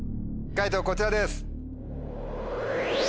解答こちらです。